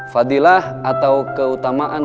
fadilah atau keutamaan